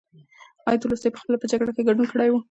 ایا تولستوی پخپله په جګړو کې ګډون کړی و؟